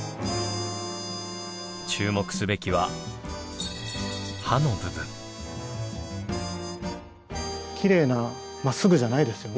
注目すべきはきれいなまっすぐじゃないですよね。